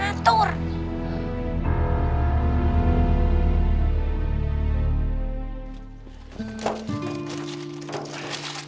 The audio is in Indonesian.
bapak kita mau pergi ke kampung